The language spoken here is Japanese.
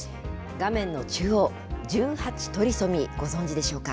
画面の中央、１８トリソミー、ご存じでしょうか。